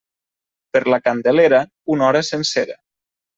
Per la Candelera, una hora sencera.